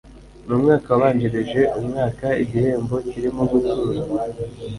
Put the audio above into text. mu mwaka wabanjirije umwaka. igihembo kirimo gutura